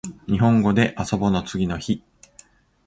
にほんごであそぼの次の日